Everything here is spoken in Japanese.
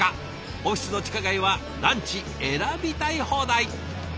オフィスの地下街はランチ選びたい放題！